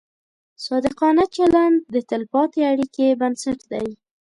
صادقانه چلند د تلپاتې اړیکې بنسټ دی.